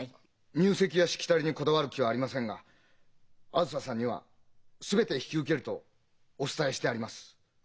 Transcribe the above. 入籍やしきたりにこだわる気はありませんがあづささんには「全て引き受ける」とお伝えしてあります。